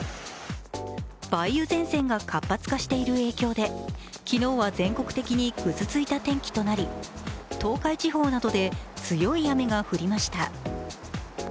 梅雨前線が活発化している影響で昨日は全国的にぐずついた天気となり東海地方などで強い雨が降りました。